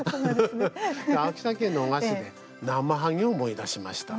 秋田県の男鹿市でなまはげを思い出しました。